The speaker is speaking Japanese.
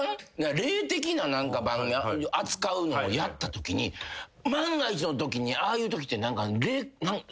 霊的な何か扱うのをやったときに万が一のときにああいうときってそういう人付いてない？